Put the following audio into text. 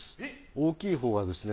大きいほうはですね